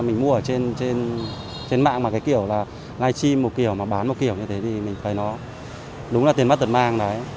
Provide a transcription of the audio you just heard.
mình mua ở trên mạng mà cái kiểu là live stream một kiểu mà bán một kiểu như thế thì mình thấy nó đúng là tiền mất tật mang đấy